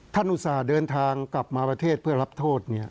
อุตส่าห์เดินทางกลับมาประเทศเพื่อรับโทษ